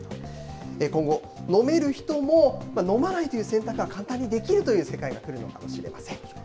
今後、飲める人も飲まないという選択が簡単にできるという世界が来るのかもしれません。